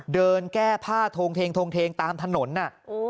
เดินแก้ผ้าทงเทงตามถนนน่ะ